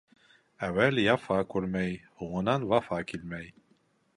Әүәл яфа күрмәй, һуңынан вафа килмәй.